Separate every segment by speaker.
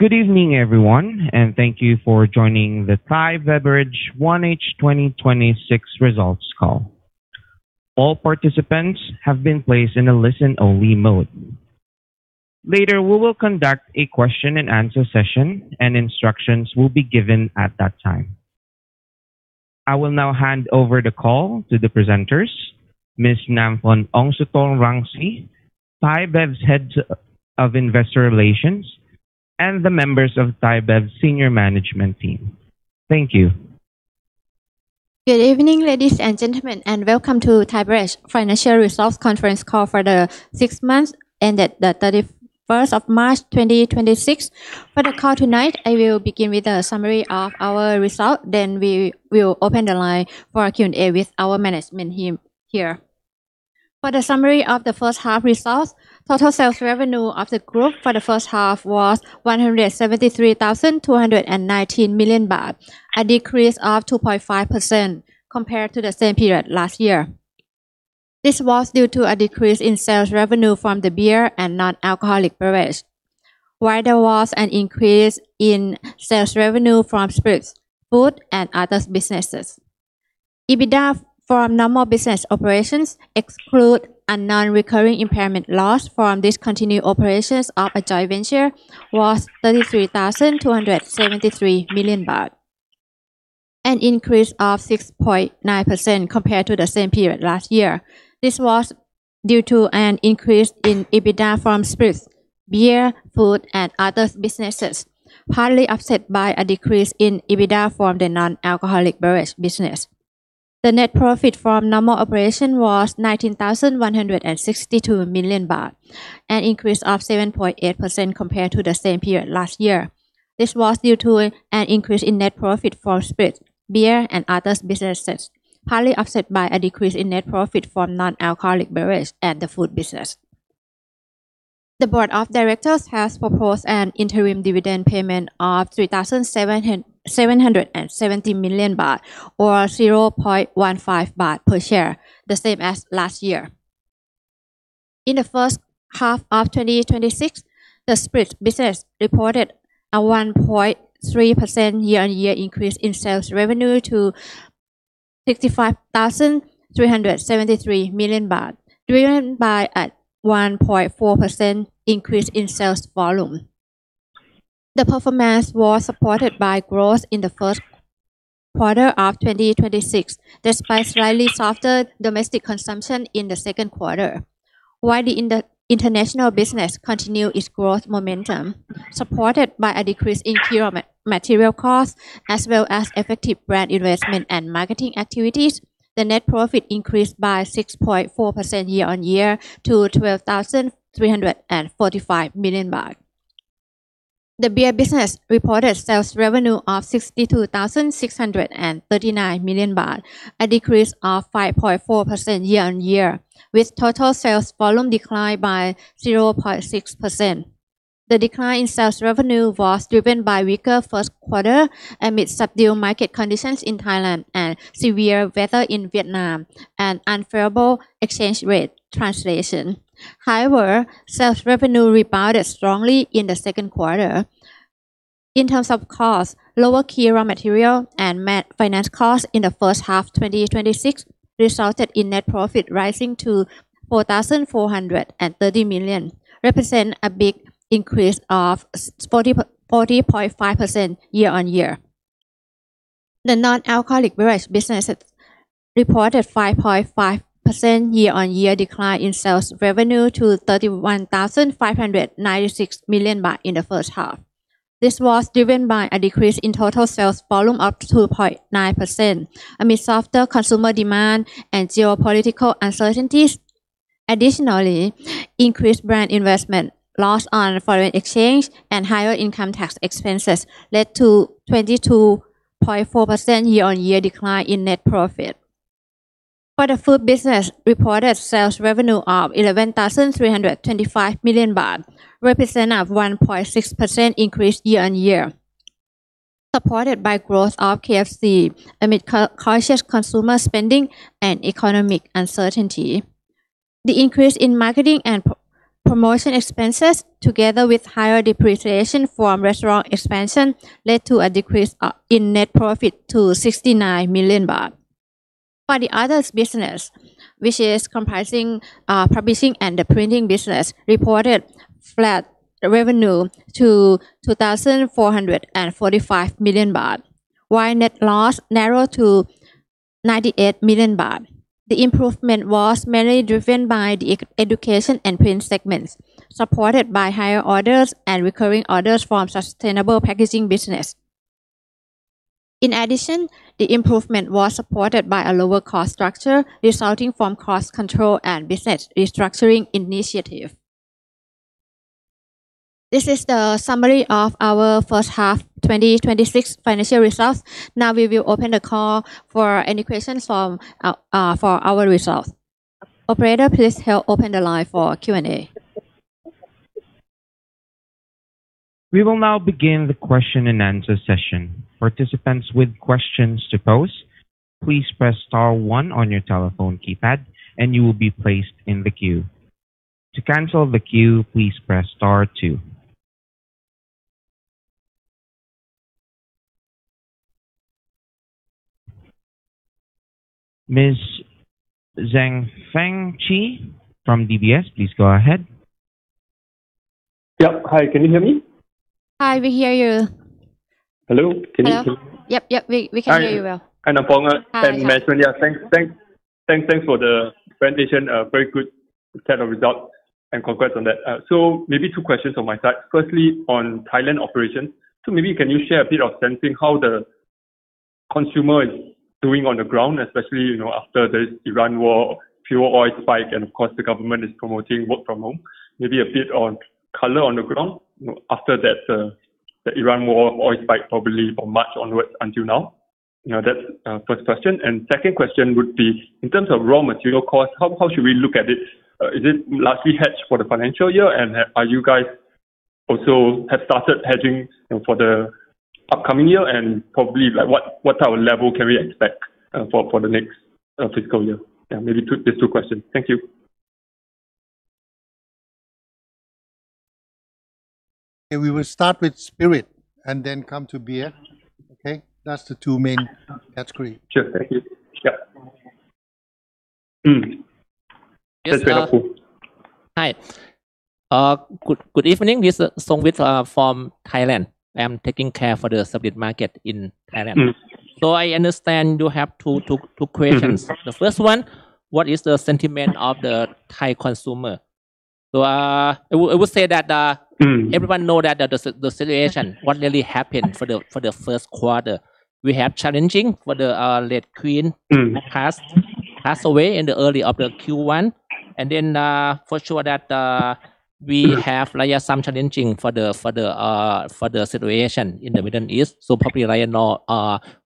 Speaker 1: Good evening, everyone. Thank you for joining the Thai Beverage 1H 2026 results call. All participants have been placed in a listen-only mode. Later, we will conduct a question-and-answer session. Instructions will be given at that time. I will now hand over the call to the presenters, Ms. Namfon Aungsutornrungsi, ThaiBev's Head of Investor Relations, and the members of ThaiBev senior management team. Thank you.
Speaker 2: Good evening, ladies and gentlemen, and welcome to Thai Beverage financial results conference call for the six months ended the March 31st, 2026. For the call tonight, I will begin with a summary of our results, then we will open the line for Q&A with our management team here. For the summary of the first half results, total sales revenue of the group for the first half was 173,219 million baht, a decrease of 2.5% compared to the same period last year. This was due to a decrease in sales revenue from the beer and non-alcoholic beverage. While there was an increase in sales revenue from spirits, food, and others businesses. EBITDA from normal business operations exclude a non-recurring impairment loss from discontinued operations of a joint venture was 33,273 million baht, an increase of 6.9% compared to the same period last year. This was due to an increase in EBITDA from spirits, beer, food, and others businesses, partly offset by a decrease in EBITDA from the non-alcoholic beverage business. The net profit from normal operation was 19,162 million baht, an increase of 7.8% compared to the same period last year. This was due to an increase in net profit from spirits, beer, and others businesses, partly offset by a decrease in net profit from non-alcoholic beverage and the food business. The board of directors has proposed an interim dividend payment of 3,770 million baht or 0.15 baht per share, the same as last year. In the first half of 2026, the spirits business reported a 1.3% year-on-year increase in sales revenue to 65,373 million baht, driven by a 1.4% increase in sales volume. The performance was supported by growth in the first quarter of 2026, despite slightly softer domestic consumption in the second quarter. The international business continued its growth momentum, supported by a decrease in key raw material costs as well as effective brand investment and marketing activities, the net profit increased by 6.4% year-on-year to 12,345 million baht. The beer business reported sales revenue of 62,639 million baht, a decrease of 5.4% year-on-year, with total sales volume declined by 0.6%. The decline in sales revenue was driven by weaker first quarter amid subdued market conditions in Thailand and severe weather in Vietnam and unfavorable exchange rate translation. However, sales revenue rebounded strongly in the second quarter. In terms of costs, lower key raw material and finance costs in the first half 2026 resulted in net profit rising to 4,430 million, represent a big increase of 40.5% year-on-year. The non-alcoholic beverage businesses reported 5.5% year-on-year decline in sales revenue to 31,596 million baht in the first half. This was driven by a decrease in total sales volume of 2.9% amid softer consumer demand and geopolitical uncertainties. Increased brand investment, loss on foreign exchange, and higher income tax expenses led to 22.4% year-on-year decline in net profit. For the food business reported sales revenue of 11,325 million baht, represent a 1.6% increase year-on-year, supported by growth of KFC amid cautious consumer spending and economic uncertainty. The increase in marketing and promotion expenses, together with higher depreciation from restaurant expansion, led to a decrease in net profit to 69 million baht. For the others business, which is comprising publishing and the printing business, reported flat revenue to 2,445 million baht, while net loss narrowed to 98 million baht. The improvement was mainly driven by the education and print segments, supported by higher orders and recurring orders from sustainable packaging business. In addition, the improvement was supported by a lower cost structure resulting from cost control and business restructuring initiative. This is the summary of our first half 2026 financial results. Now we will open the call for any questions for our results. Operator, please help open the line for Q&A.
Speaker 1: We will now begin the question-and-answer session. Ms. Zheng Feng Chee from DBS, please go ahead.
Speaker 3: Yep. Hi, can you hear me?
Speaker 2: Hi, we hear you.
Speaker 3: Hello. Can you hear me?
Speaker 2: Hello. Yep. We can hear you well.
Speaker 3: Hi.
Speaker 2: Hi.
Speaker 3: Namfon and management, thanks for the presentation. A very good set of results and congrats on that. Maybe two questions on my side. Firstly, on Thailand operation, maybe can you share a bit of sensing how the consumer is doing on the ground, especially, you know, after this Iran war fuel oil spike, and of course, the government is promoting work from home. Maybe a bit on color on the ground after that, the Iran war oil spike, probably from March onwards until now. You know, that's first question. Second question would be in terms of raw material cost, how should we look at it? Is it largely hedged for the financial year? Are you guys also have started hedging for the upcoming year? Probably like what type of level can we expect, for the next fiscal year? Yeah, maybe these two questions. Thank you.
Speaker 4: We will start with spirit and then come to beer. Okay? That's the two main category.
Speaker 3: Sure. Thank you. Yep. That's very cool.
Speaker 5: Hi. Good evening. This is Songwit from Thailand. I'm taking care for the spirit market in Thailand. I understand you have two questions. The first one, what is the sentiment of the Thai consumer? Everyone know that the situation, what really happened for the first quarter. We have challenging for the late Queen who passed away in the early of the Q1. For sure that we have like some challenging for the situation in the Middle East. Probably like no,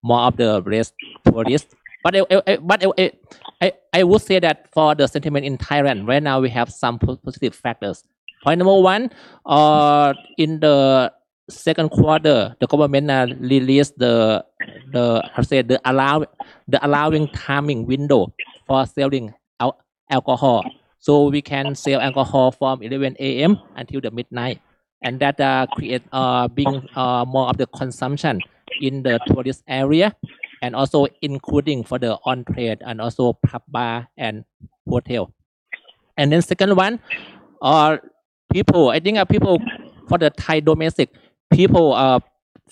Speaker 5: more of the risk to risk. I, but I would say that for the sentiment in Thailand right now we have some positive factors. Point number one, in the second quarter, the government released the allowing timing window for selling alcohol. We can sell alcohol from 11:00 A.M. until the midnight. That, create a big, more of the consumption in the tourist area and also including for the on-trade and also pub, bar and hotel. Second one, people. I think, people for the Thai domestic, people,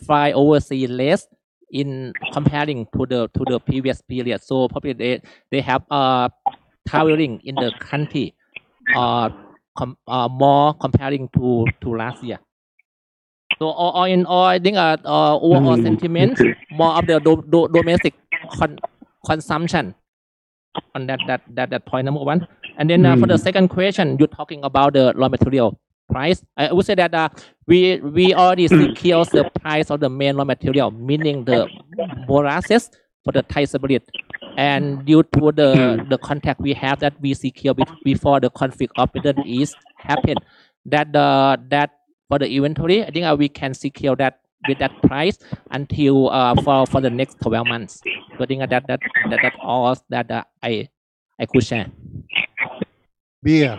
Speaker 5: fly overseas less in comparing to the previous period. Probably they have, traveling in the country, more comparing to last year. All in all, I think, overall sentiment. More of the domestic consumption on that point number one. For the second question, you're talking about the raw material price. I would say that we already secured the price of the main raw material, meaning the molasses for the Thai spirit. The contract we have that we secure before the conflict of Middle East happened, that for the inventory, I think, we can secure that with that price until for the next 12 months. I think that all that I could share.
Speaker 4: Beer.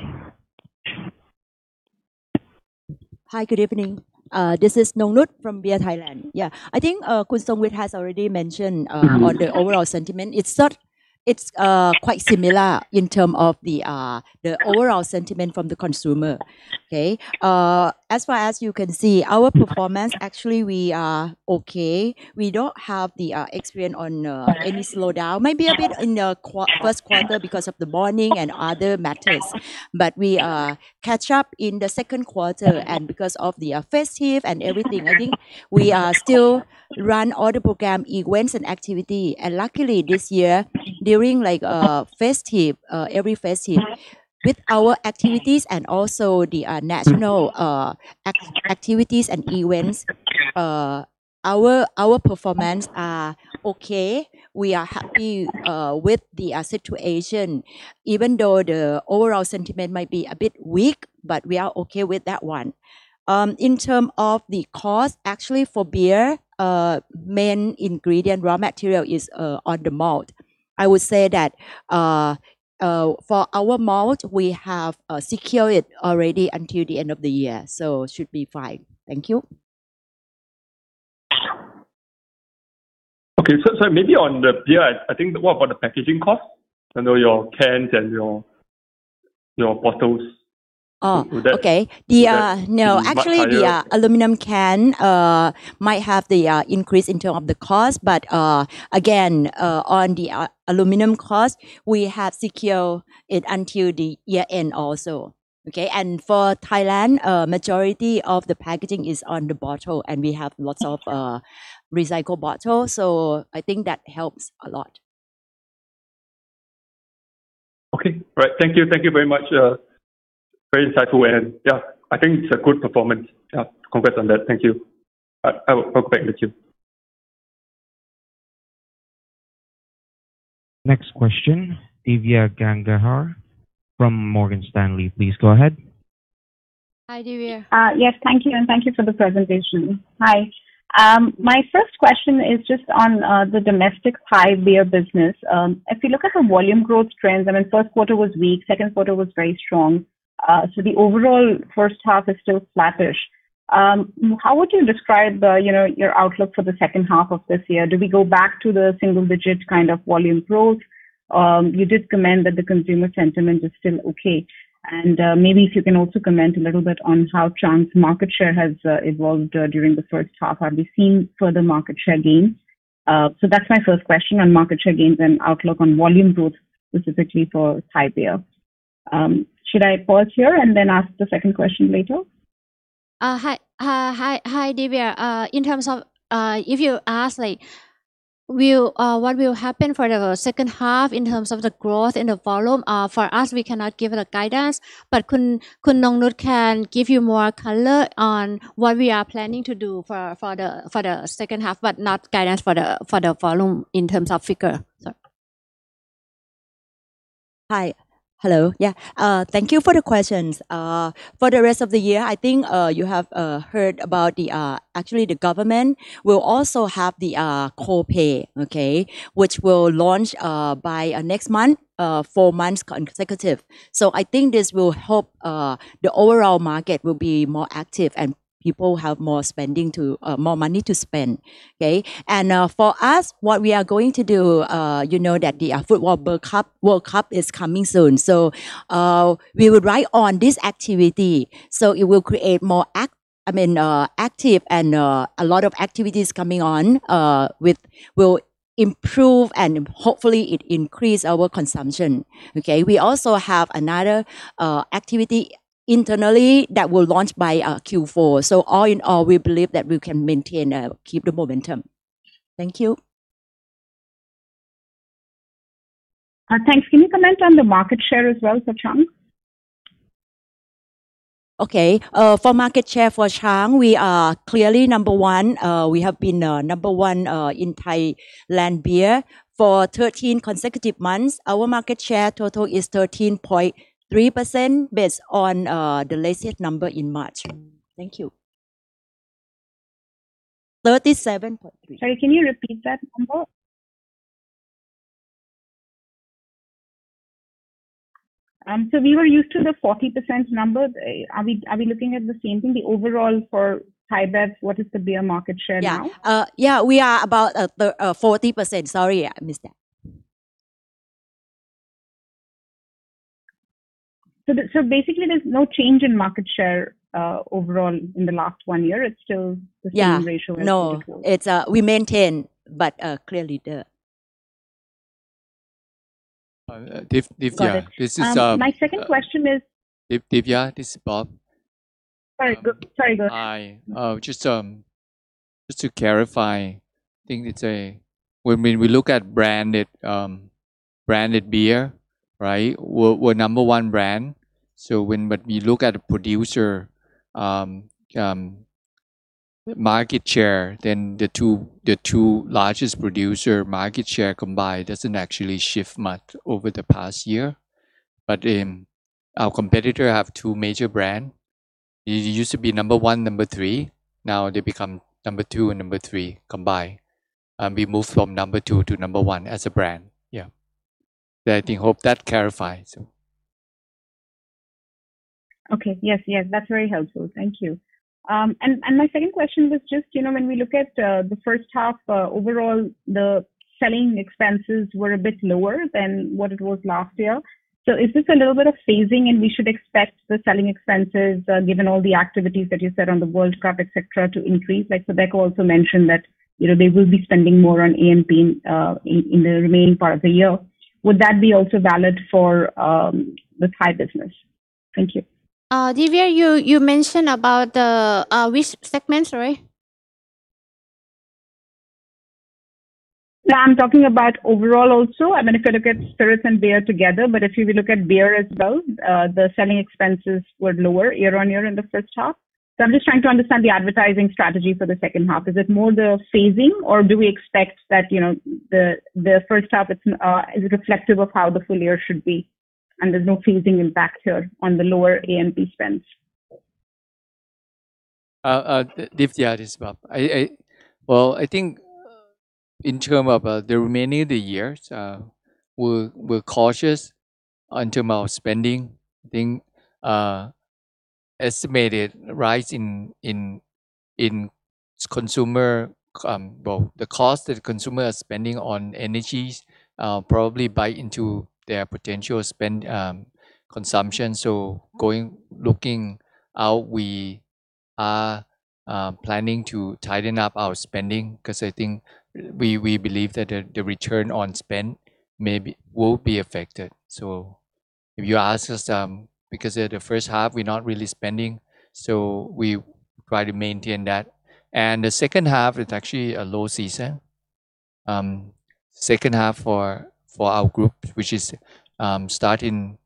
Speaker 6: Hi. Good evening. This is Nongnuch from Beer Thailand. Yeah. I think Songwit has already mentioned on the overall sentiment. It's quite similar in term of the overall sentiment from the consumer. Okay? As far as you can see, our performance actually we are okay. We don't have the experience on any slowdown. Maybe a bit in the first quarter because of the mourning and other matters, but we catch up in the second quarter. Because of the festive and everything, I think we are still run all the program events and activity. Luckily this year, during like festive, every festive with our activities and also the national activities and events, our performance are okay. We are happy with the situation. Even though the overall sentiment might be a bit weak, but we are okay with that one. In terms of the cost, actually for beer, main ingredient raw material is on the malt. I would say that for our malt, we have secured it already until the end of the year, so should be fine. Thank you.
Speaker 3: Okay. Maybe on the beer, I think what about the packaging cost? I know your cans and your bottles.
Speaker 6: Oh, okay.
Speaker 3: Would that-
Speaker 6: Yeah. No.
Speaker 3: Would that be much higher?
Speaker 6: Actually, the aluminum can might have the increase in terms of the cost, but again, on the aluminum cost, we have secure it until the year end also. Okay? For Thailand, majority of the packaging is on the bottle, and we have lots of recycled bottles, so I think that helps a lot.
Speaker 3: Okay. All right. Thank you. Thank you very much. Very insightful and yeah, I think it's a good performance. Yeah. Congrats on that. Thank you. I will talk back with you.
Speaker 1: Next question, Divya Gangahar from Morgan Stanley, please go ahead.
Speaker 2: Hi, Divya.
Speaker 7: Yes, thank you, and thank you for the presentation. Hi. My first question is just on the domestic Thai beer business. If you look at the volume growth trends, I mean, first quarter was weak, second quarter was very strong. The overall first half is still flattish. How would you describe, you know, your outlook for the second half of this year? Do we go back to the single-digit kind of volume growth? You did comment that the consumer sentiment is still okay. Maybe if you can also comment a little bit on how Chang's market share has evolved during the first half. Are we seeing further market share gains? That's my first question on market share gains and outlook on volume growth, specifically for Thai beer. Should I pause here and then ask the second question later?
Speaker 2: Hi. Hi, hi, Divya. In terms of if you ask, like, what will happen for the second half in terms of the growth in the volume, for us, we cannot give the guidance. Khun Nongnuch can give you more color on what we are planning to do for the, for the second half, but not guidance for the, for the volume in terms of figure.
Speaker 6: Hi. Hello. Yeah. Thank you for the questions. For the rest of the year, I think, you have heard about the, actually, the government will also have the co-pay, okay? Which will launch by next month, four months consecutive. I think this will help the overall market will be more active, and people have more money to spend. Okay? For us, what we are going to do, you know that the FIFA World Cup is coming soon, so we will ride on this activity, so it will create more, I mean, active and a lot of activities coming on, will improve and hopefully it increase our consumption. Okay? We also have another activity internally that will launch by Q4. All in all, we believe that we can maintain, keep the momentum. Thank you.
Speaker 7: Thanks. Can you comment on the market share as well for Chang?
Speaker 6: Okay. For market share for Chang, we are clearly number one. We have been number one in Thailand beer for 13 consecutive months. Our market share total is 13.3% based on the latest number in March. Thank you. 37.3%.
Speaker 7: Sorry, can you repeat that number? We were used to the 40% number. Are we looking at the same thing? The overall for ThaiBev, what is the beer market share now?
Speaker 6: Yeah. Yeah. We are about 40%. Sorry, I missed that.
Speaker 7: Basically there's no change in market share, overall in the last one year.
Speaker 6: Yeah
Speaker 7: So, same ratio as before?
Speaker 6: No. It's, we maintain, but, clearly the...
Speaker 8: Uh, Div-Divya, this is, um-
Speaker 7: Got it. My second question is.
Speaker 8: Divya, this is Bob.
Speaker 7: Sorry, go ahead.
Speaker 8: Hi. Just to clarify, I think it's when we look at branded beer, right? We're number one brand. We look at the producer market share, the two largest producer market share combined doesn't actually shift much over the past year. Our competitor have two major brand. It used to be number one, number three. Now they become number two and number three combined. We moved from number two to number one as a brand. Yeah. I think hope that clarifies.
Speaker 7: Yes, that's very helpful. Thank you. My second question was just, you know, when we look at the first half, overall, the selling expenses were a bit lower than what it was last year. Is this a little bit of phasing and we should expect the selling expenses, given all the activities that you said on the World Cup, et cetera, to increase? Like SABECO also mentioned that, you know, they will be spending more on A&P in the remaining part of the year. Would that be also valid for the Thai business? Thank you.
Speaker 2: Divya, you mentioned about which segment? Sorry.
Speaker 7: I'm talking about overall also. I mean, if you look at spirits and beer together, if you will look at beer as well, the selling expenses were lower year-on-year in the first half. I'm just trying to understand the advertising strategy for the second half. Is it more the phasing or do we expect that, you know, the first half it's reflective of how the full year should be, and there's no phasing impact here on the lower A&P spends?
Speaker 8: Divya, this is Bob. Well, I think in terms of the remaining of the year, we're cautious in terms of spending. I think estimated rise in consumer, well, the cost that consumers are spending on energies probably bites into their potential spend consumption. Going, looking out, we are planning to tighten up our spending 'cause I think we believe that the return on spend maybe will be affected. If you ask us, because in the first half we're not really spending, we try to maintain that. The second half is actually a low season. Second half for our group, which is starting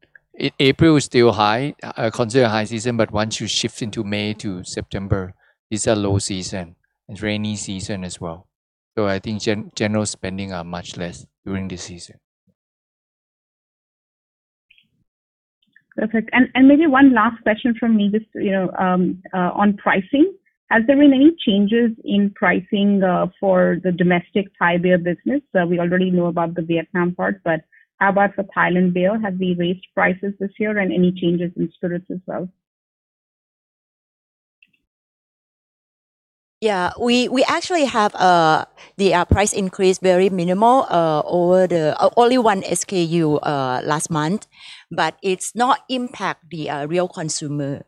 Speaker 8: April is still high, considered high season, but once you shift into May to September, it's a low season. Rainy season as well. I think general spending are much less during this season.
Speaker 7: Perfect. Maybe one last question from me just, you know, on pricing. Has there been any changes in pricing for the domestic Thai beer business? We already know about the Vietnam part, but how about for Thailand beer? Have we raised prices this year, and any changes in spirits as well?
Speaker 6: Yeah. We actually have the price increase very minimal over the only one SKU last month, but it's not impact the real consumer.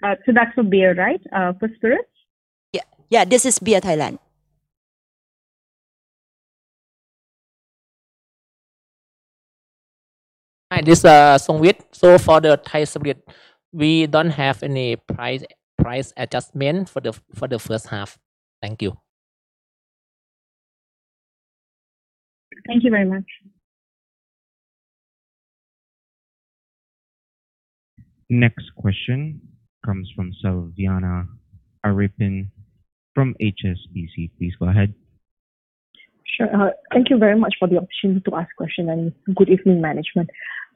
Speaker 7: That's for beer, right? For spirits?
Speaker 6: Yeah. Yeah, this is beer Thailand.
Speaker 5: Hi, this is Songwit. For the Thai spirit, we don't have any price adjustment for the first half. Thank you.
Speaker 7: Thank you very much.
Speaker 1: Next question comes from Selviana Aripin from HSBC. Please go ahead.
Speaker 9: Sure. Thank you very much for the opportunity to ask question, good evening management.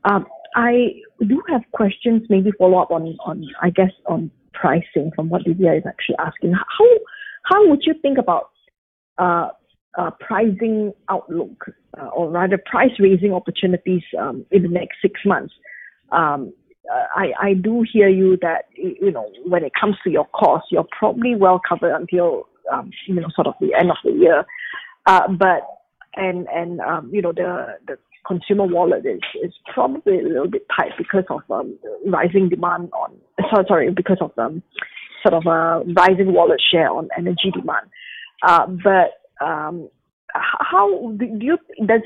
Speaker 9: I do have questions maybe follow up on, I guess on pricing from what Divya is actually asking. How would you think about pricing outlook, or rather price raising opportunities, in the next six months? I do hear you that, you know, when it comes to your cost, you're probably well covered until, you know, sort of the end of the year. You know, the consumer wallet is probably a little bit tight because of the sort of rising wallet share on energy demand. Does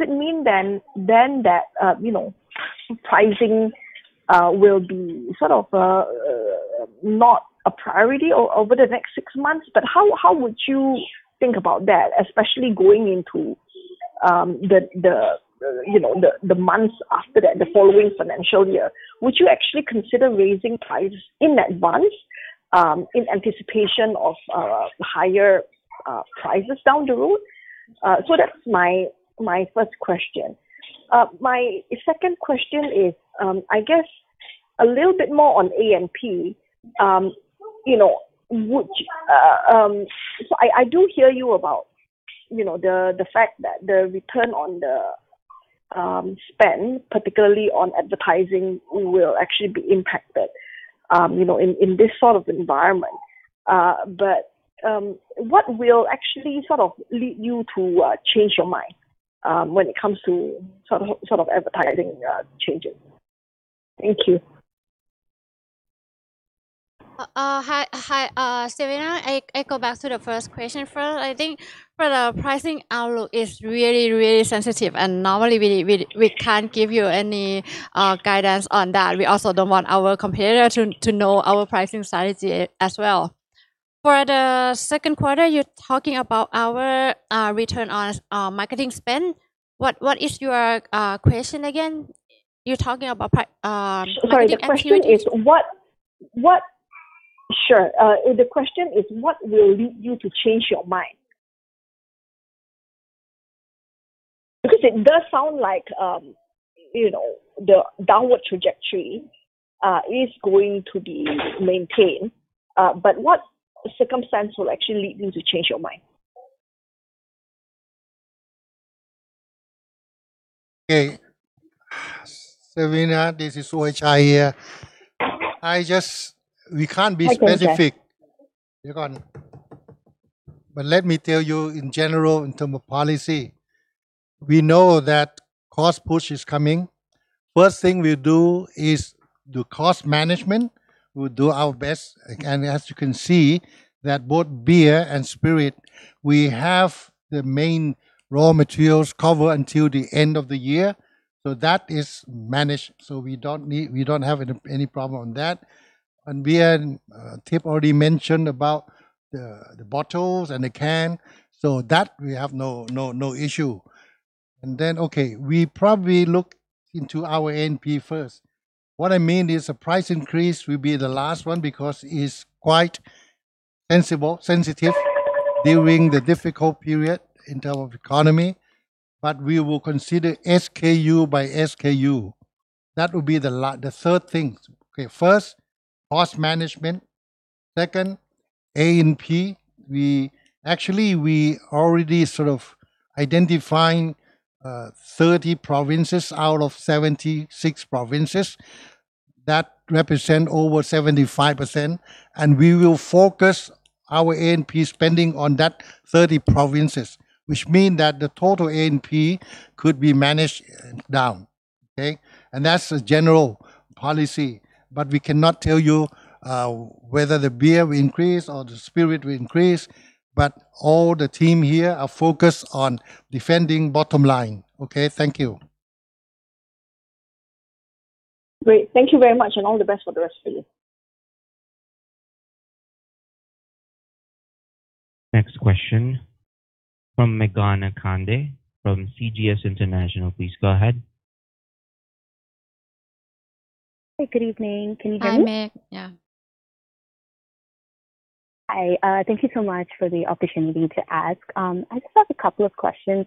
Speaker 9: it mean then that, you know, pricing will be sort of not a priority over the next six months? How would you think about that, especially going into the, you know, the months after that, the following financial year? Would you actually consider raising prices in advance in anticipation of higher prices down the road? That's my first question. My second question is, I guess a little bit more on A&P. You know, I do hear you about, you know, the fact that the return on the spend, particularly on advertising will actually be impacted, you know, in this sort of environment. What will actually sort of lead you to change your mind, when it comes to sort of advertising, changes? Thank you.
Speaker 2: Hi, hi, Selviana. I go back to the first question first. I think for the pricing outlook is really sensitive, normally we can't give you any guidance on that. We also don't want our competitor to know our pricing strategy as well. For the second quarter, you're talking about our return on marketing spend. What is your question again? You're talking about marketing and-
Speaker 9: Sorry, the question is what. Sure. The question is what will lead you to change your mind? Because it does sound like, you know, the downward trajectory is going to be maintained. What circumstance will actually lead you to change your mind?
Speaker 4: Okay. Selviana, this is Ueychai here. We can't be specific.
Speaker 9: Hi, Ueychai.
Speaker 4: Let me tell you in general in terms of policy, we know that cost push is coming. First thing we do is do cost management. We do our best. As you can see that both beer and spirits, we have the main raw materials covered until the end of the year. That is managed, so we don't have any problem on that. Beer, and Tip already mentioned about the bottles and the cans, we have no issue. Okay, we probably look into our A&P first. What I mean is the price increase will be the last one because it's quite sensible, sensitive during the difficult period in terms of economy. We will consider SKU by SKU. That would be the third thing. Okay, first, cost management. Second, A&P. We actually, we already sort of identifying 30 provinces out of 76 provinces. That represent over 75%, and we will focus our A&P spending on that 30 provinces, which mean that the total A&P could be managed down. Okay. That's the general policy. We cannot tell you whether the beer will increase or the spirit will increase. All the team here are focused on defending bottom line. Okay. Thank you.
Speaker 9: Great. Thank you very much, and all the best for the rest of the year.
Speaker 1: Next question from Meghana Kande from CGS International. Please go ahead.
Speaker 10: Hey, good evening. Can you hear me?
Speaker 2: Hi, Meg. Yeah.
Speaker 10: Hi, thank you so much for the opportunity to ask. I just have a couple of questions.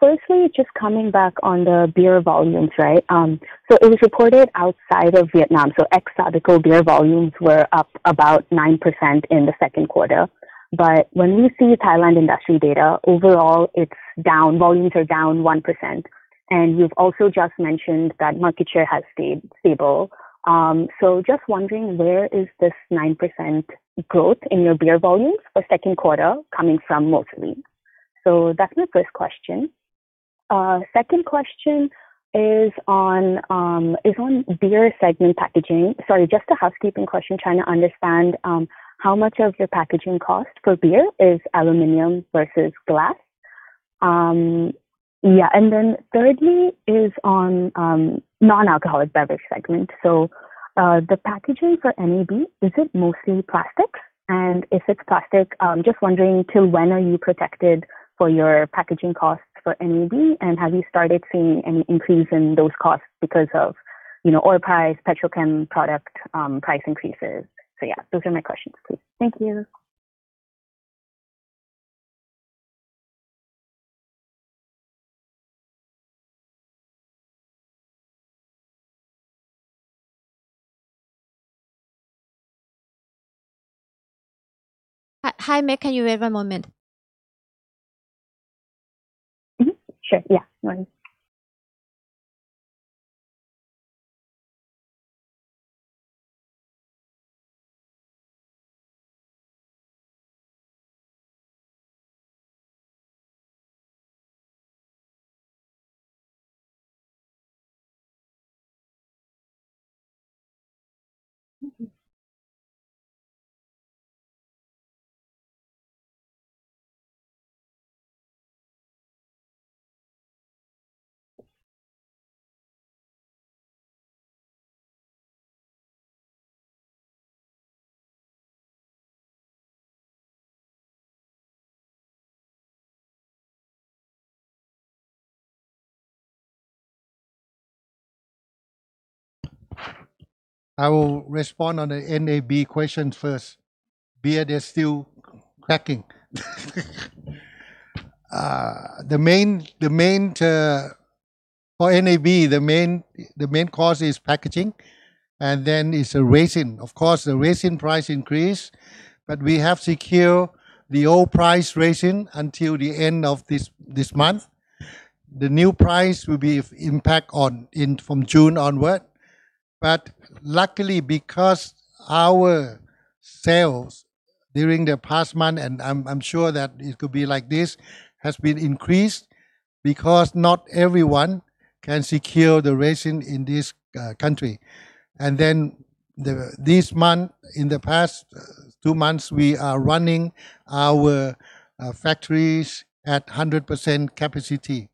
Speaker 10: Firstly, just coming back on the beer volumes, right? It was reported outside of Vietnam, ex-SABECO beer volumes were up about 9% in the second quarter. When we see Thailand industry data, overall it's down. Volumes are down 1%. You've also just mentioned that market share has stayed stable. Just wondering where is this 9% growth in your beer volumes for second quarter coming from mostly? That's my first question. Second question is on beer segment packaging. Sorry, just a housekeeping question, trying to understand how much of your packaging cost for beer is aluminum versus glass. Thirdly is on non-alcoholic beverage segment. The packaging for NAB, is it mostly plastic? If it's plastic, just wondering till when are you protected for your packaging costs for NAB and have you started seeing any increase in those costs because of, you know, oil price, petrochem product, price increases? Yeah, those are my questions, please. Thank you.
Speaker 2: Hi, Meg, can you wait one moment?
Speaker 10: Sure, yeah. No worries.
Speaker 4: I will respond on the NAB question first. Beer, they are still packing. For NAB, the main cause is packaging and then it is the resin. Of course, the resin price increase. We have secured the old price resin until the end of this month. The new price will be impact from June onward. Luckily, because our sales during the past month, and I am sure that it could be like this, has been increased because not everyone can secure the resin in this country. This month, in the past two months, we are running our factories at 100% capacity.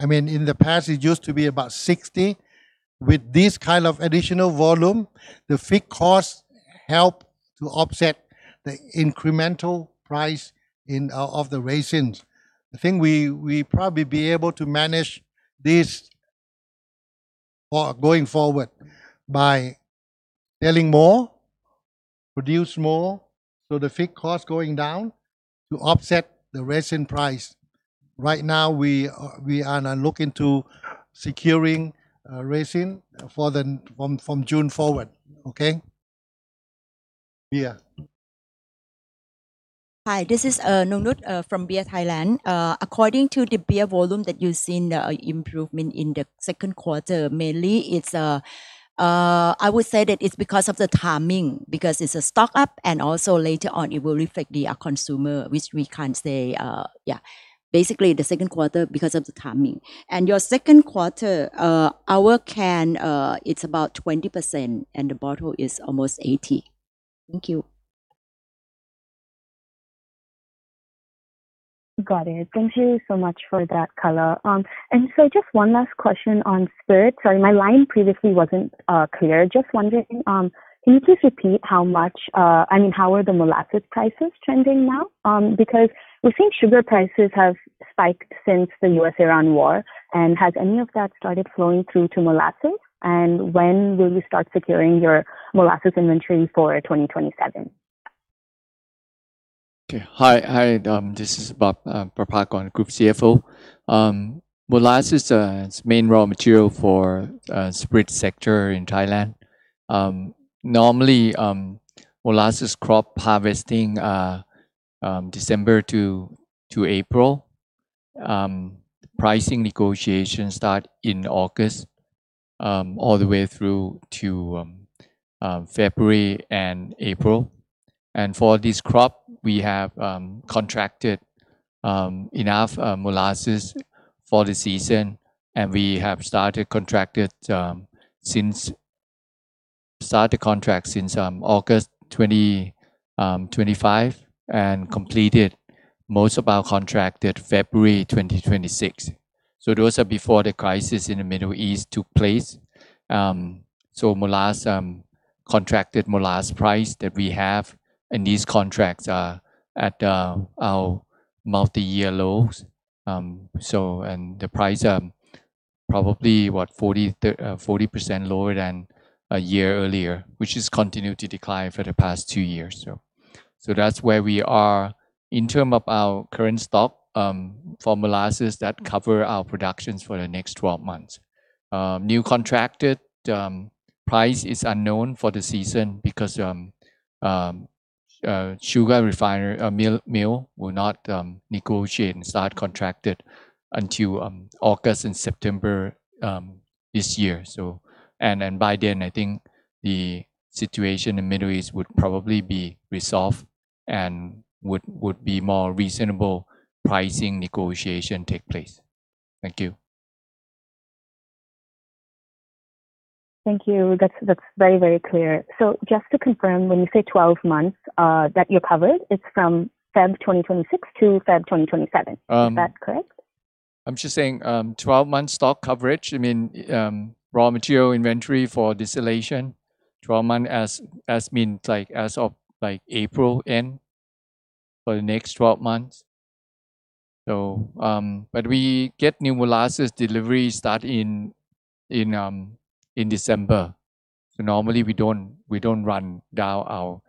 Speaker 4: I mean, in the past it used to be about 60%. With this kind of additional volume, the fixed costs help to offset the incremental price of the resins. I think we probably be able to manage this for going forward by selling more, produce more, so the fixed costs going down to offset the resin price. Right now we are now looking to securing resin from June forward. Okay? Beer.
Speaker 6: Hi, this is Nongnuch from Beer Thailand. According to the beer volume that you've seen the improvement in the second quarter, mainly it's, I would say that it's because of the timing because it's a stock-up and also later on it will reflect the consumer, which we can't say. Basically, the second quarter because of the timing. Your second quarter, our can, it's about 20% and the bottle is almost 80%. Thank you.
Speaker 10: Got it. Thank you so much for that color. Just one last question on spirits. Sorry, my line previously wasn't clear. Just wondering, can you just repeat how much, I mean, how are the molasses prices trending now? Because we've seen sugar prices have spiked since the U.S.-Iran war. Has any of that started flowing through to molasses? When will you start securing your molasses inventory for 2027?
Speaker 8: Okay. Hi, hi, this is Bob, Prapakon, Group CFO. Molasses is main raw material for spirit sector in Thailand. Normally, molasses crop harvesting are December to April. Pricing negotiations start in August, all the way through to February and April. For this crop, we have contracted enough molasses for the season, and we have started contracted since August 2025 and completed most of our contract at February 2026. Those are before the crisis in the Middle East took place. Contracted molasses price that we have in these contracts are at our multi-year lows. The price, probably what 40% lower than a year earlier, which has continued to decline for the past two years. That's where we are. In term of our current stock, for molasses that cover our productions for the next 12 months. New contracted price is unknown for the season because sugar refiner mill will not negotiate and start contracted until August and September this year. By then, I think the situation in Middle East would be more reasonable pricing negotiation take place. Thank you.
Speaker 10: Thank you. That's very, very clear. Just to confirm, when you say 12 months that you're covered, it's from February 2026 to February 2027. Is that correct?
Speaker 8: I'm just saying, 12-month stock coverage. I mean, raw material inventory for distillation, 12-month as means, like, as of, like, April end for the next 12 months. But we get new molasses delivery start in December. Normally we don't run down our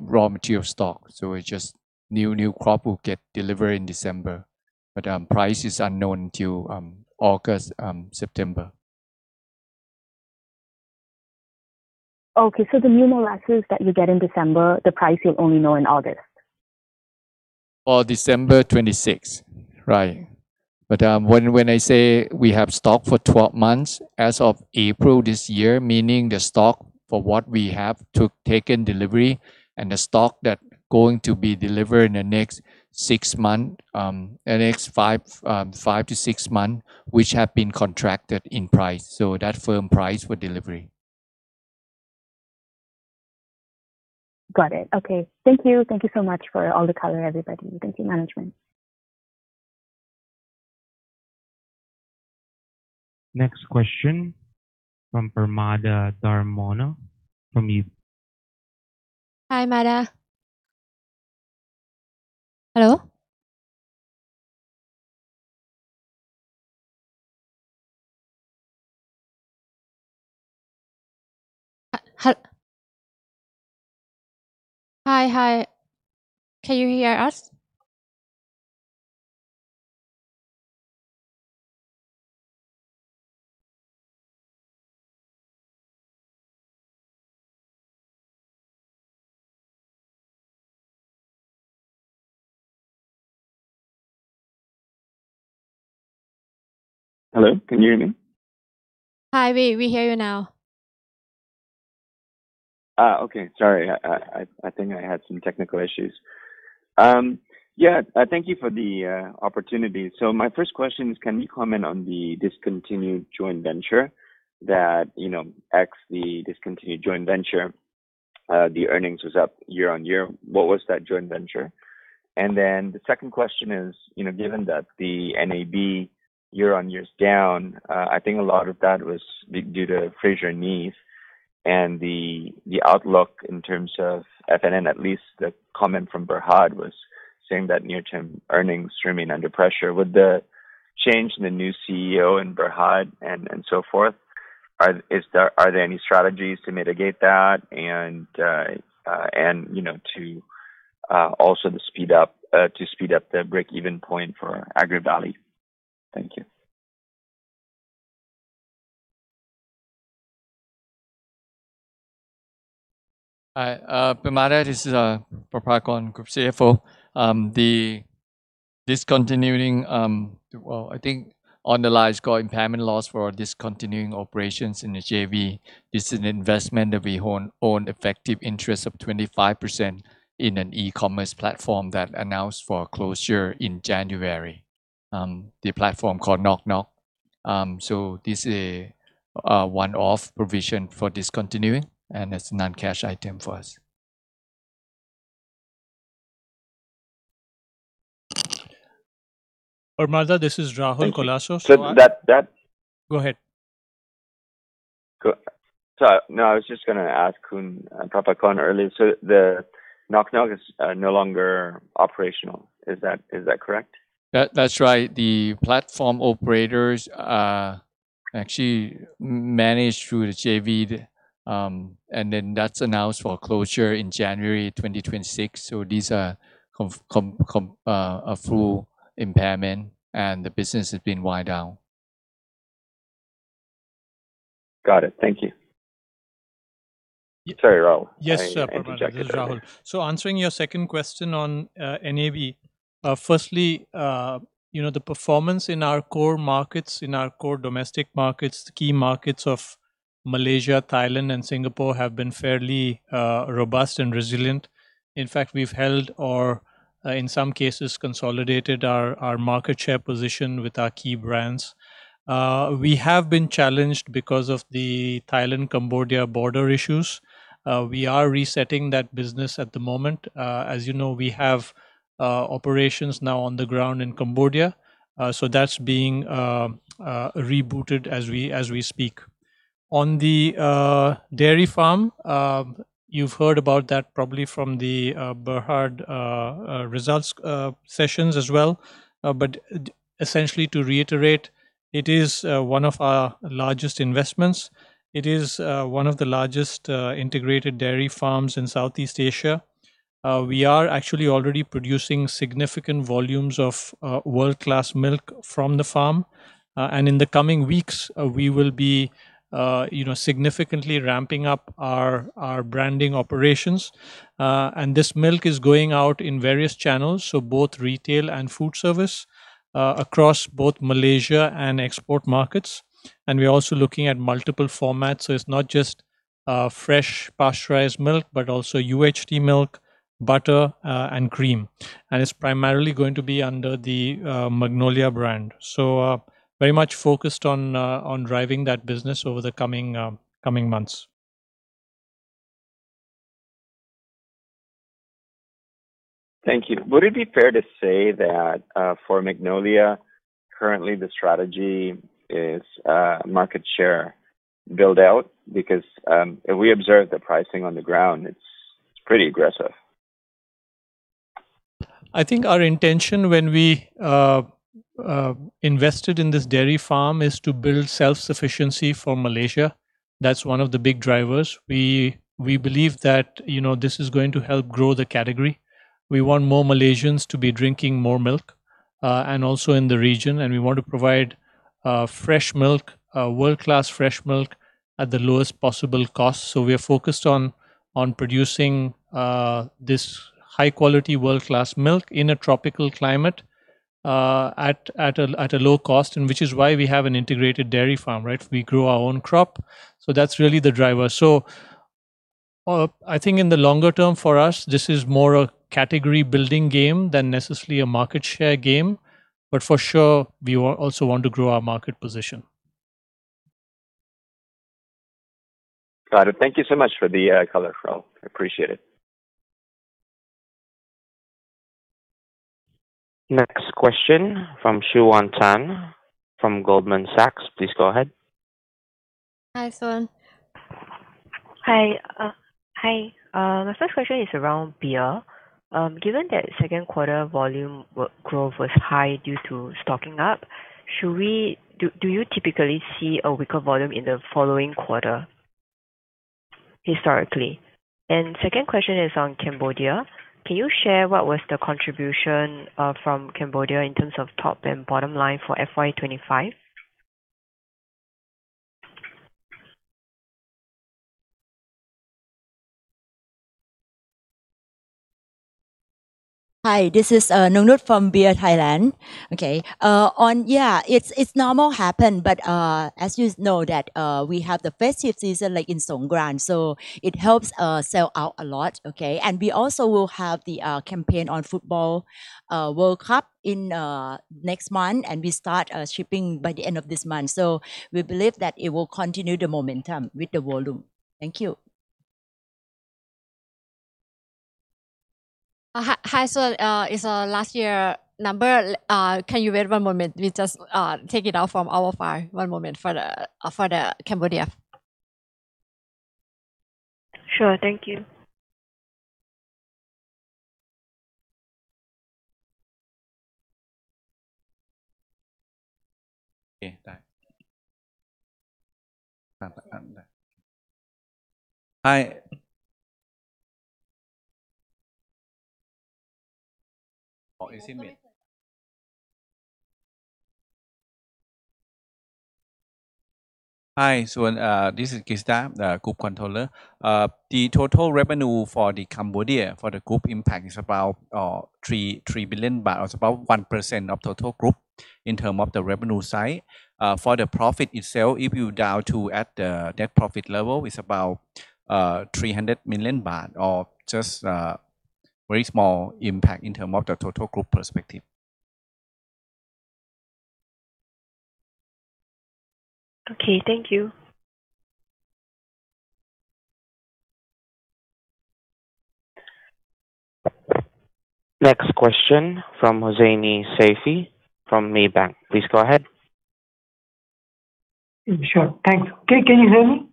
Speaker 8: raw material stock. It's just new crop will get delivered in December. Price is unknown till August, September.
Speaker 10: Okay. The new molasses that you get in December, the price you'll only know in August?
Speaker 8: For December 2026, right. When I say we have stock for 12 months as of April this year, meaning the stock for what we have taken delivery and the stock that going to be delivered in the next six months, the next five to six months, which have been contracted in price, so that firm price for delivery.
Speaker 10: Got it. Okay. Thank you. Thank you so much for all the color, everybody. Thank you, management.
Speaker 1: Next question from Permada Darmono from UBS.
Speaker 2: Hi, Mada. Hello? Hi. Can you hear us?
Speaker 11: Hello? Can you hear me?
Speaker 2: Hi. We hear you now.
Speaker 11: Okay. Sorry. I think I had some technical issues. Yeah. Thank you for the opportunity. My first question is can you comment on the discontinued joint venture that the earnings was up year-on-year. What was that joint venture? The second question is, given that the NAV year-on-year is down, I think a lot of that was due to Fraser and Neave and the outlook in terms of F&N, at least the comment from Berhad was saying that near-term earnings streaming under pressure. Would the change in the new CEO in Berhad and so forth, are there any strategies to mitigate that and, you know, to also to speed up the break-even point for AgriValley Malaysia? Thank you.
Speaker 8: Hi, Permada. This is Prapakon, Group CFO. The discontinuing, well, I think underlies core impairment loss for discontinuing operations in the JV. This is an investment that we own effective interest of 25% in an e-commerce platform that announced for closure in January, the platform called NocNoc. This is a one-off provision for discontinuing, and it's a non-cash item for us.
Speaker 12: Permada, this is Rahul Colaco.
Speaker 11: Thank you.
Speaker 12: Go ahead.
Speaker 11: No, I was just going to ask, Prapakon earlier. The NocNoc is no longer operational. Is that correct?
Speaker 8: That's right. The platform operators, actually managed through the JV. That's announced for closure in January 2026. These are a full impairment, and the business has been wind down.
Speaker 11: Got it. Thank you. Sorry, Rahul. I interrupted you there.
Speaker 12: Yes, Permada. This is Rahul. Answering your second question on NAV. Firstly, you know, the performance in our core markets, in our core domestic markets, the key markets of Malaysia, Thailand, and Singapore have been fairly robust and resilient. In fact, we've held or, in some cases consolidated our market share position with our key brands. We have been challenged because of the Thailand-Cambodia border issues. We are resetting that business at the moment. As you know, we have operations now on the ground in Cambodia. That's being rebooted as we speak. On the dairy farm, you've heard about that probably from the Berhad results sessions as well. Essentially to reiterate, it is one of our largest investments. It is one of the largest integrated dairy farms in Southeast Asia. We are actually already producing significant volumes of world-class milk from the farm. In the coming weeks, we will be, you know, significantly ramping up our branding operations. This milk is going out in various channels, so both retail and food service across both Malaysia and export markets. We're also looking at multiple formats, so it's not just fresh pasteurized milk, but also UHT milk, butter, and cream. It's primarily going to be under the Magnolia brand. Very much focused on driving that business over the coming months.
Speaker 11: Thank you. Would it be fair to say that for Magnolia, currently the strategy is market share build out? Because if we observe the pricing on the ground, it's pretty aggressive.
Speaker 12: I think our intention when we invested in this dairy farm is to build self-sufficiency for Malaysia. That's one of the big drivers. We believe that, you know, this is going to help grow the category. We want more Malaysians to be drinking more milk and also in the region. We want to provide fresh milk, world-class fresh milk at the lowest possible cost. We are focused on producing this high quality world-class milk in a tropical climate at a low cost, and which is why we have an integrated dairy farm, right? We grow our own crop. That's really the driver. I think in the longer term for us, this is more a category building game than necessarily a market share game, but for sure we also want to grow our market position.
Speaker 11: Got it. Thank you so much for the color, Rahul. I appreciate it.
Speaker 1: Next question from Xuan Tan from Goldman Sachs. Please go ahead.
Speaker 2: Hi, Xuan Tan.
Speaker 13: Hi. Hi. My first question is around beer. Given that second quarter volume growth was high due to stocking up, do you typically see a weaker volume in the following quarter historically? Second question is on Cambodia. Can you share what was the contribution from Cambodia in terms of top and bottom line for FY 2025?
Speaker 6: Hi, this is Nongnuch from Beer Thailand. Okay, it's normal happen, as you know that we have the festive season like in Songkran, it helps sell out a lot. We also will have the campaign on football World Cup in next month, we start shipping by the end of this month. We believe that it will continue the momentum with the volume. Thank you.
Speaker 2: Hi, hi. It's last year number. Can you wait one moment? Let me just take it out from our file. One moment for the Cambodia.
Speaker 13: Sure. Thank you.
Speaker 14: Okay. Hi. Hi, Xuan Tan. This is Kosit Suksingha, the Group Controller. The total revenue for the Cambodia for the group impact is about 3 billion baht. It's about 1% of total group in term of the revenue side. For the profit itself, if you down to at the net profit level, it's about 300 million baht or just very small impact in term of the total group perspective.
Speaker 13: Okay. Thank you.
Speaker 1: Next question from Hussaini Saifee from Maybank. Please go ahead.
Speaker 15: Sure. Thanks. Can you hear me?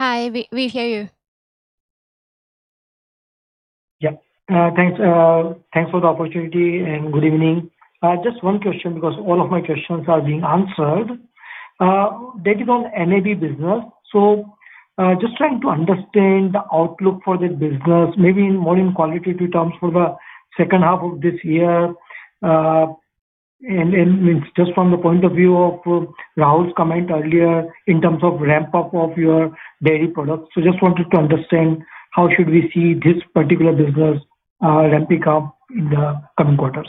Speaker 2: Hi, we hear you.
Speaker 15: Yeah. Thanks, thanks for the opportunity and good evening. Just one question because all of my questions are being answered. That is on NAB business. Just trying to understand the outlook for the business, maybe more in qualitative terms for the second half of this year. And then just from the point of view of Rahul's comment earlier in terms of ramp up of your dairy products. Just wanted to understand how should we see this particular business ramping up in the coming quarters.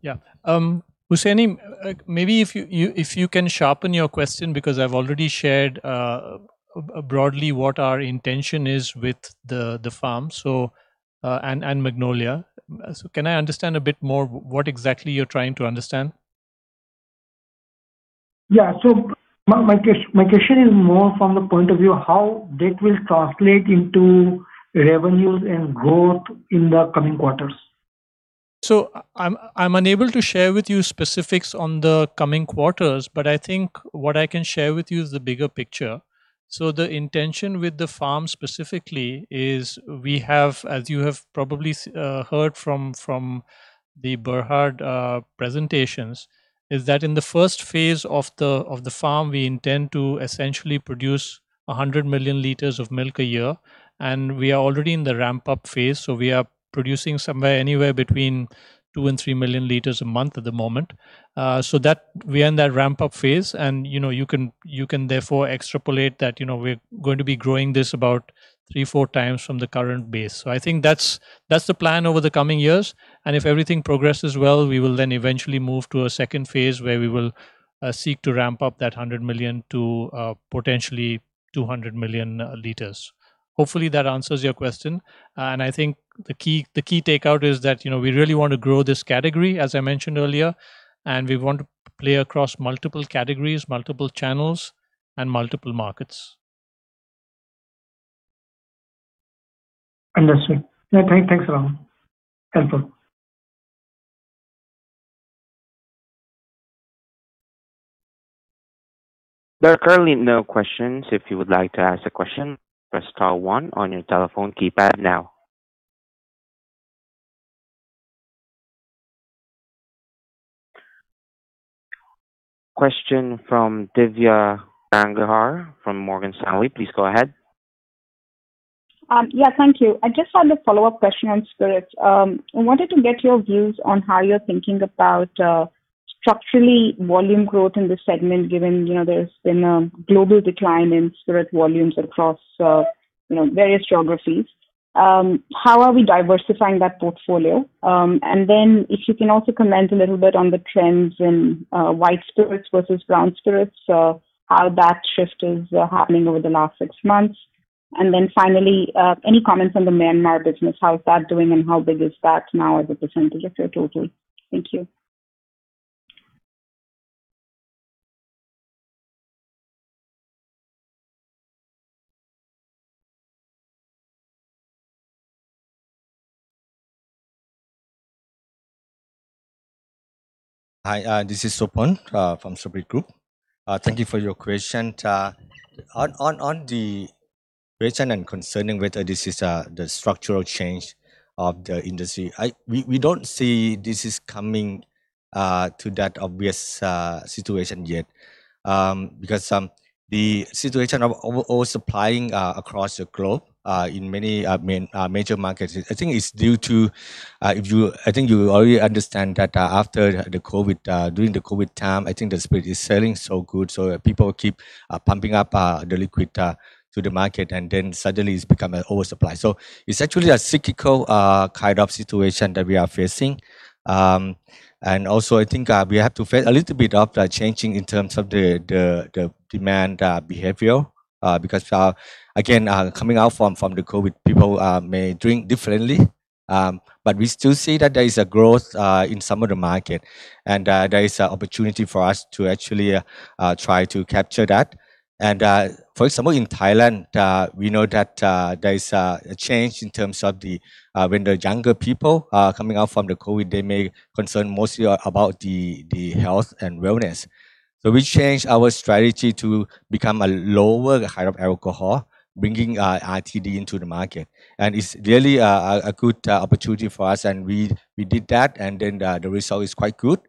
Speaker 12: Yeah. Hussaini, maybe if you can sharpen your question because I've already shared broadly what our intention is with the farm, so, and Magnolia. Can I understand a bit more what exactly you're trying to understand?
Speaker 15: Yeah. My question is more from the point of view how that will translate into revenues and growth in the coming quarters.
Speaker 12: I'm unable to share with you specifics on the coming quarters, but I think what I can share with you is the bigger picture. The intention with the farm specifically is we have, as you have probably heard from the Berhad presentations, is that in the first phase of the farm, we intend to essentially produce 100 million liters of milk a year. We are already in the ramp-up phase, so we are producing somewhere anywhere between 2 million and 3 million liters a month at the moment. That we're in that ramp-up phase and, you know, you can therefore extrapolate that, you know, we're going to be growing this about three, four times from the current base. I think that's the plan over the coming years. If everything progresses well, we will then eventually move to a second phase where we will seek to ramp up that 100 million to potentially 200 million liters. Hopefully that answers your question. I think the key, the key takeout is that, you know, we really wanna grow this category, as I mentioned earlier, and we want to play across multiple categories, multiple channels, and multiple markets.
Speaker 15: Understood. No, thanks a lot. Helpful.
Speaker 1: Question from Divya Gangahar from Morgan Stanley.
Speaker 7: Yeah, thank you. I just had a follow-up question on spirits. I wanted to get your views on how you're thinking about structurally volume growth in this segment, given, you know, there's been a global decline in spirit volumes across, you know, various geographies. How are we diversifying that portfolio? If you can also comment a little bit on the trends in white spirits versus brown spirits, how that shift is happening over the last six months. Finally, any comments on the Myanmar business, how is that doing and how big is that now as a percentage of your total? Thank you.
Speaker 16: Hi, this is Sopon from Spirits Group. Thank you for your question. On the question and concerning whether this is the structural change of the industry, We don't see this is coming to that obvious situation yet, because the situation of over supplying across the globe in many main major markets, I think it's due to if you I think you already understand that after the COVID, during the COVID time, I think the spirits selling so good, so people keep pumping up the liquid to the market, and then suddenly it's become an oversupply. It's actually a cyclical kind of situation that we are facing. Also, I think, we have to face a little bit of the changing in terms of the demand behavior because again, coming out from the COVID, people may drink differently. We still see that there is a growth in some of the market, and there is an opportunity for us to actually try to capture that. For example, in Thailand, we know that there is a change in terms of when the younger people are coming out from the COVID, they may concern mostly about the health and wellness. We changed our strategy to become a lower kind of alcohol, bringing RTD into the market. It's really a good opportunity for us. We did that, and then the result is quite good.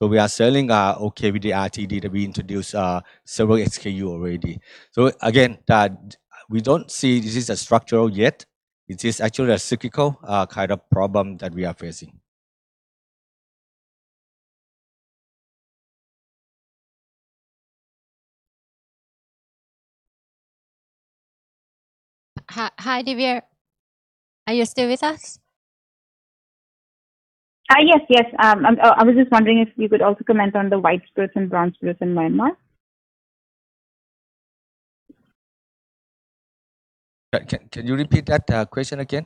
Speaker 16: We are selling okay with the RTD that we introduced several SKU already. Again, that we don't see this is a structural yet. It is actually a cyclical kind of problem that we are facing.
Speaker 2: Hi, Divya. Are you still with us?
Speaker 7: yes. I was just wondering if you could also comment on the white spirits and brown spirits in Myanmar.
Speaker 16: Can you repeat that question again?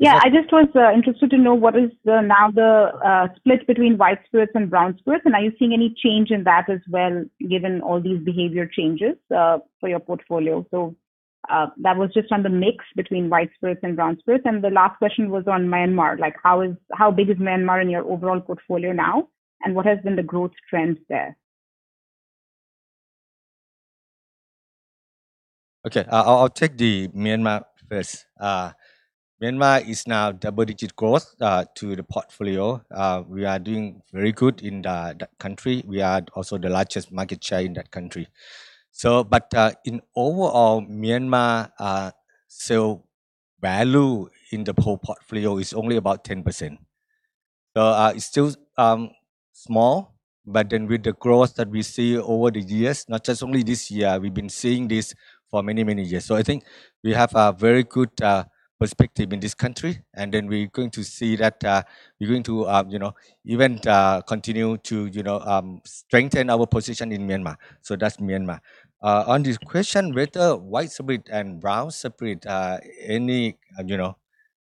Speaker 7: Yeah. I just was interested to know what is the now the split between white spirits and brown spirits, and are you seeing any change in that as well, given all these behavior changes for your portfolio? That was just on the mix between white spirits and brown spirits. The last question was on Myanmar, like how big is Myanmar in your overall portfolio now, and what has been the growth trends there?
Speaker 16: Okay. I'll take the Myanmar first. Myanmar is now double-digit growth to the portfolio. We are doing very good in that country. We are also the largest market share in that country. In overall Myanmar, value in the whole portfolio is only about 10%. It's still small, with the growth that we see over the years, not just only this year, we've been seeing this for many, many years. I think we have a very good perspective in this country, we're going to see that, we're going to, you know, even continue to, you know, strengthen our position in Myanmar. That's Myanmar. On this question, whether white spirit and brown spirit, any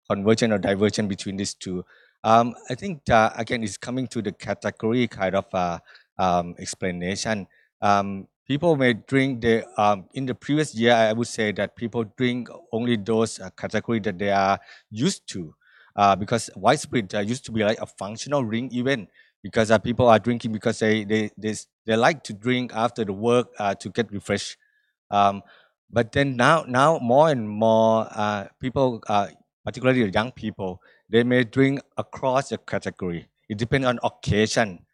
Speaker 16: convergence or diversion between these two? I think that again, it's coming to the category kind of explanation. People may drink... In the previous year, I would say that people drink only those category that they are used to because white spirit used to be like a functional drink even because people are drinking because they, they like to drink after the work to get refreshed. Now more and more people, particularly young people, they may drink across a category. It depends on occasion.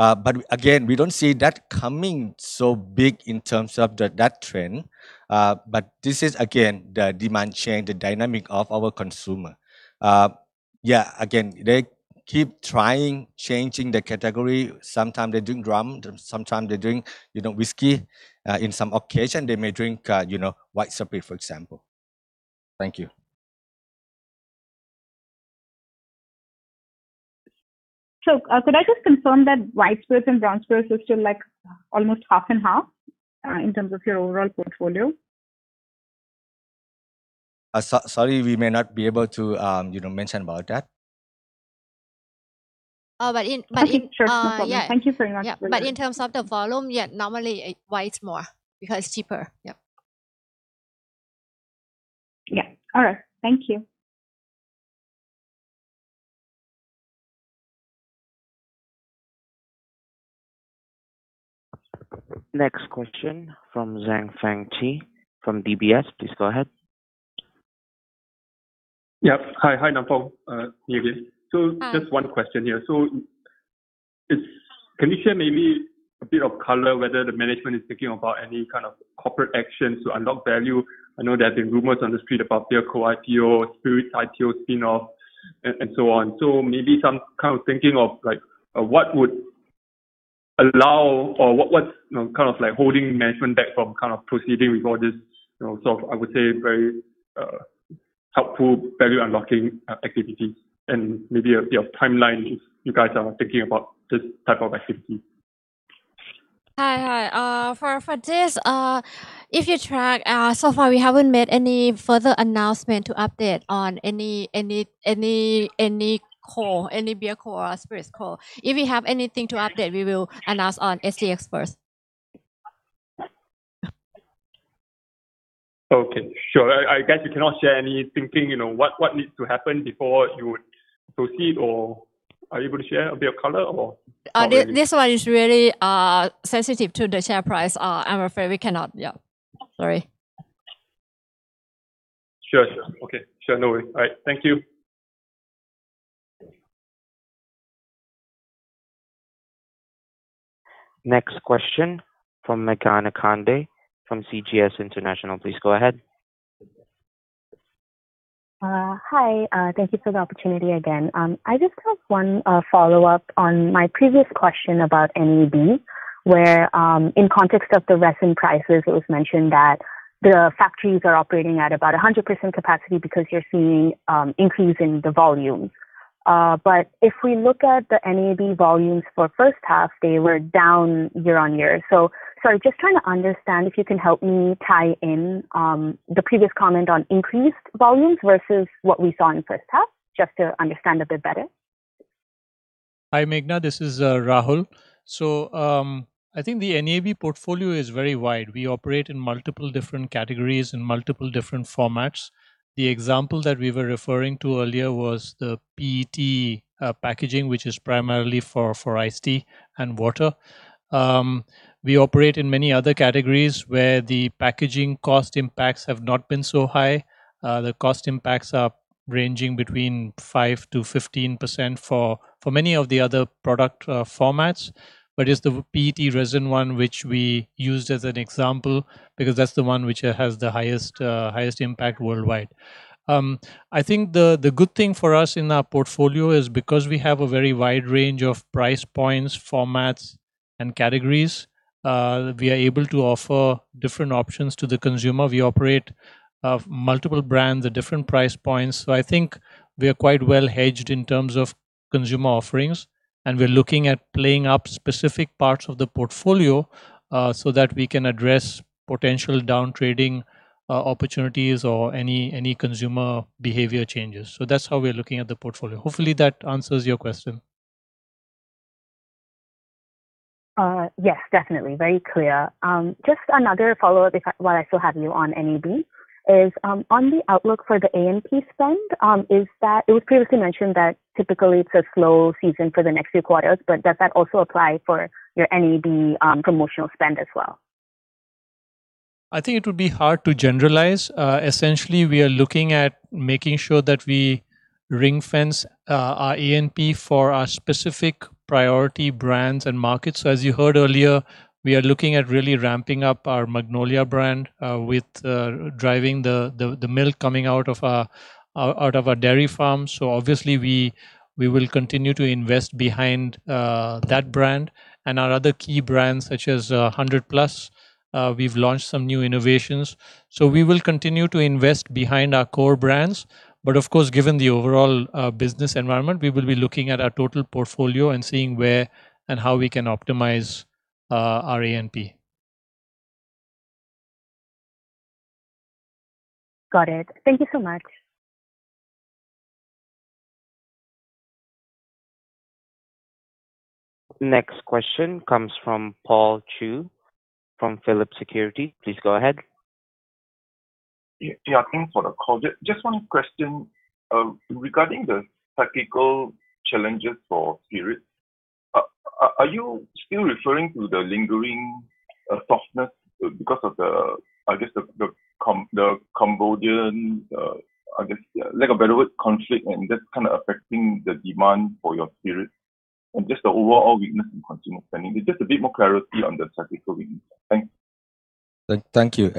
Speaker 16: Again, we don't see that coming so big in terms of that trend. This is again the demand chain, the dynamic of our consumer. Yeah, again, they keep trying, changing the category. Sometime they drink rum, sometime they drink, you know, whiskey. In some occasion they may drink, you know, white spirit, for example. Thank you.
Speaker 7: Could I just confirm that white spirits and brown spirits are still, like, almost half and half, in terms of your overall portfolio?
Speaker 16: Sorry, we may not be able to, you know, mention about that.
Speaker 2: Oh.
Speaker 7: Okay. Sure. No problem.
Speaker 2: Yeah.
Speaker 7: Thank you very much.
Speaker 2: Yeah. In terms of the volume, yeah, normally white more because cheaper. Yeah.
Speaker 7: Yeah. All right. Thank you.
Speaker 1: Next question from Zheng Feng Chee from DBS. Please go ahead.
Speaker 3: Yeah. Hi. Hi, Namfon. me again.
Speaker 2: Hi.
Speaker 3: Just one question here. Can you share maybe a bit of color whether the management is thinking about any kind of corporate action to unlock value? I know there have been rumors on the street about BeerCo IPO, Spirits IPO spin-off and so on. Maybe some kind of thinking of like what would allow or what's, you know, kind of like holding management back from kind of proceeding with all this, you know, sort of, I would say very helpful value unlocking activities and maybe a bit of timeline if you guys are thinking about this type of activity.
Speaker 2: Hi. Hi. If you track, so far we haven't made any further announcement to update on any core, any BeerCo or SpiritsCo. If we have anything to update, we will announce on SGX first.
Speaker 3: Okay. Sure. I guess you cannot share any thinking, you know, what needs to happen before you would proceed or are you able to share a bit of color or sorry?
Speaker 2: This one is really sensitive to the share price. I'm afraid we cannot. Yeah. Sorry.
Speaker 3: Sure. Sure. Okay. Sure. No worry. All right. Thank you.
Speaker 1: Next question from Meghana Kande from CGS International. Please go ahead.
Speaker 10: Hi. Thank you for the opportunity again. I just have one follow-up on my previous question about NAB, where, in context of the resin prices, it was mentioned that the factories are operating at about 100% capacity because you're seeing increase in the volumes. If we look at the NAB volumes for first half, they were down year-on-year. Sorry, just trying to understand if you can help me tie in the previous comment on increased volumes versus what we saw in first half, just to understand a bit better.
Speaker 12: Hi, Meghana. This is Rahul. I think the NAB portfolio is very wide. We operate in multiple different categories and multiple different formats. The example that we were referring to earlier was the PET packaging, which is primarily for iced tea and water. We operate in many other categories where the packaging cost impacts have not been so high. The cost impacts are ranging between 5%-15% for many of the other product formats. It's the PET resin one which we used as an example because that's the one which has the highest impact worldwide. I think the good thing for us in our portfolio is because we have a very wide range of price points, formats, and categories, we are able to offer different options to the consumer. We operate multiple brands at different price points. I think we are quite well hedged in terms of consumer offerings, and we're looking at playing up specific parts of the portfolio, so that we can address potential down trading opportunities or any consumer behavior changes. That's how we're looking at the portfolio. Hopefully, that answers your question.
Speaker 10: Yes, definitely. Very clear. Just another follow-up while I still have you on NAB is on the outlook for the A&P spend. It was previously mentioned that typically it's a slow season for the next few quarters, but does that also apply for your NAB promotional spend as well?
Speaker 12: I think it would be hard to generalize. Essentially, we are looking at making sure that we ring-fence our A&P for our specific priority brands and markets. As you heard earlier, we are looking at really ramping up our Magnolia brand with driving the milk coming out of our dairy farm. Obviously we will continue to invest behind that brand and our other key brands such as 100PLUS. We've launched some new innovations. We will continue to invest behind our core brands. Of course, given the overall business environment, we will be looking at our total portfolio and seeing where and how we can optimize our A&P.
Speaker 10: Got it. Thank you so much.
Speaker 1: Next question comes from Paul Chew from Phillip Securities. Please go ahead.
Speaker 17: Yeah. Yeah. Thanks for the call. Just one question. Regarding the cyclical challenges for Spirits, are you still referring to the lingering softness because of the, I guess, the Cambodian, I guess, lack of a better word, conflict, and that's kind of affecting the demand for your Spirit and just the overall weakness in consumer spending? Just a bit more clarity on the cyclical weakness. Thanks.
Speaker 16: Thank you.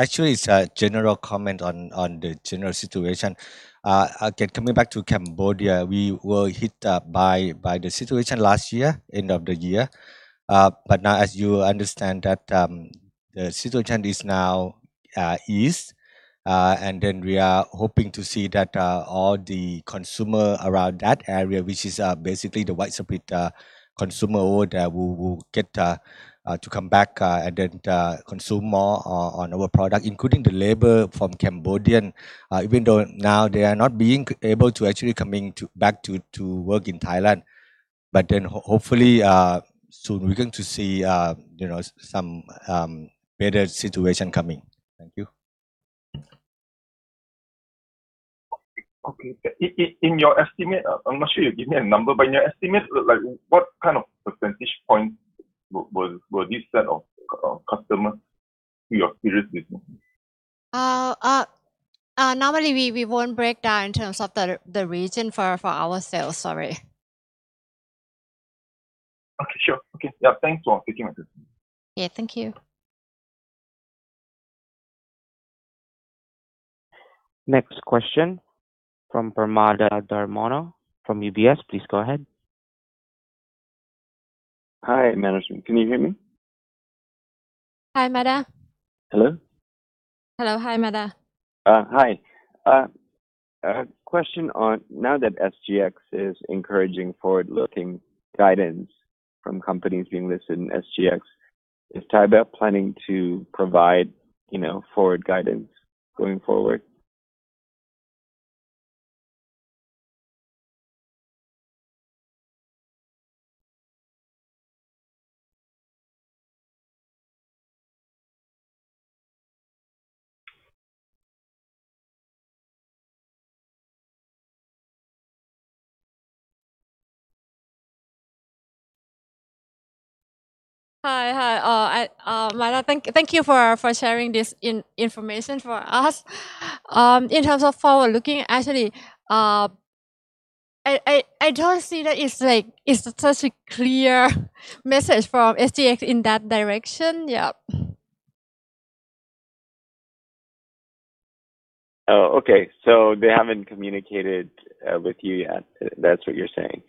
Speaker 16: Actually, it's a general comment on the general situation. Again, coming back to Cambodia, we were hit by the situation last year, end of the year. Now as you understand that, the situation is now eased, we are hoping to see that all the consumer around that area, which is basically the white spirit consumer over there will get to come back, consume more on our product, including the labor from Cambodian. Even though now they are not being able to actually coming back to work in Thailand. Hopefully, soon we're going to see, you know, some better situation coming. Thank you.
Speaker 17: Okay. In your estimate, I'm not sure you give me a number, but in your estimate, like what kind of percentage point was this set of customers to your Spirit business?
Speaker 2: Normally we won't break down in terms of the region for our sales. Sorry.
Speaker 17: Okay. Sure. Okay. Yeah. Thanks for taking my question.
Speaker 2: Yeah. Thank you.
Speaker 1: Next question from Permada Darmono from UBS. Please go ahead.
Speaker 11: Hi, management. Can you hear me?
Speaker 2: Hi, Mada.
Speaker 11: Hello.
Speaker 2: Hello. Hi, Mada.
Speaker 11: Hi. A question on now that SGX is encouraging forward-looking guidance from companies being listed in SGX, is ThaiBev planning to provide, you know, forward guidance going forward?
Speaker 2: Hi. Mada, thank you for sharing this information for us. In terms of forward looking, actually, I don't see that it's like it's such a clear message from SGX in that direction. Yep.
Speaker 11: Oh, okay. They haven't communicated with you yet. That's what you're saying?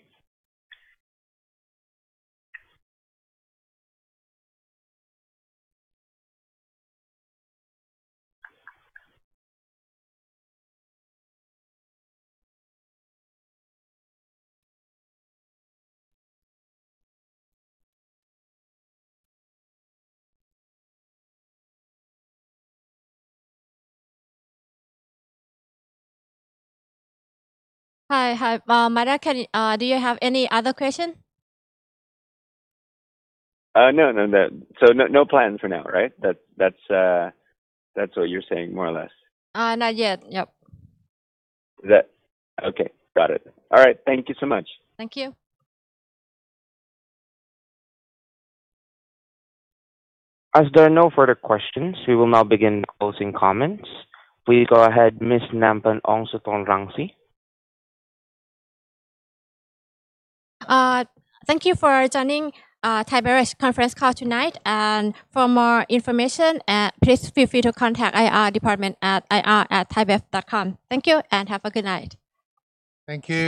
Speaker 2: Hi. Hi. Mada, do you have any other question?
Speaker 11: No, no, no. No plan for now, right? That's what you're saying more or less.
Speaker 2: Not yet. Yep.
Speaker 11: Okay. Got it. All right. Thank you so much.
Speaker 2: Thank you.
Speaker 1: As there are no further questions, we will now begin the closing comments. Please go ahead, Miss Namfon Aungsutornrungsi.
Speaker 2: Thank you for joining Thai Beverage's conference call tonight. For more information, please feel free to contact IR department at ir@thaibev.com. Thank you. Have a good night.
Speaker 16: Thank you.